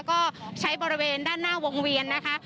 ก็ใช้บริเวณด้านหน้าวงเวียนนะคะ